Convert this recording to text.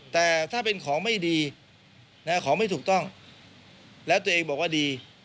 แต่ถ้าเป็นของไม่ดีของไม่ถูกต้องแล้วตัวเองบอกว่าดี